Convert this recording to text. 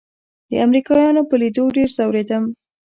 د امريکايانو په ليدو ډېر ځورېدم.